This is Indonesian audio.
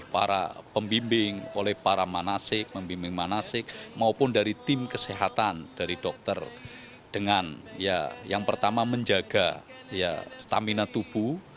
para pembimbing oleh para manasik pembimbing manasik maupun dari tim kesehatan dari dokter dengan ya yang pertama menjaga stamina tubuh